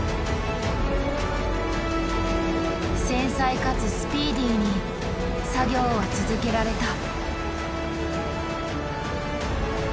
繊細かつスピーディーに作業は続けられた。